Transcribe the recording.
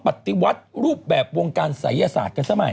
ปฏิวัติรูปแบบวงการศัยศาสตร์กันสมัย